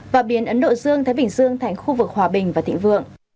và biến ấn độ dương thái bình dương thành khu vực hòa bình và thịnh vượng